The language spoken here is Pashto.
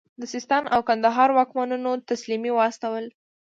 د سیستان او کندهار واکمنانو تسلیمي واستوله.